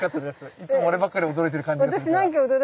いつも俺ばっかり驚いてる感じがするから。